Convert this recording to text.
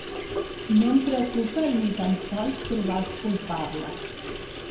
No em preocupa ni tan sols trobar els culpables.